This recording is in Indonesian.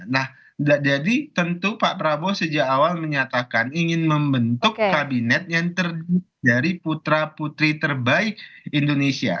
nah jadi tentu pak prabowo sejak awal menyatakan ingin membentuk kabinet yang terdiri dari putra putri terbaik indonesia